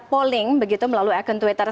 polling begitu melalui akun twitter